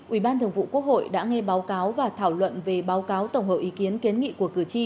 ubthqh đã nghe báo cáo và thảo luận về báo cáo tổng hợp ý kiến kiến nghị của cử tri